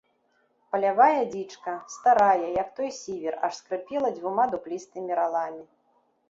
Палявая дзічка, старая, як той сівер, аж скрыпела дзвюма дуплістымі раламі.